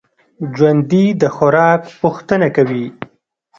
ژوندي د خوراک پوښتنه کوي